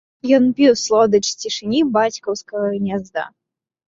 Ён піў слодыч цішыні бацькаўскага гнязда.